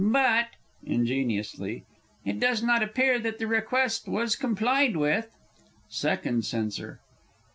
But (ingeniously) it does not appear that the request was complied with. _Second Censor.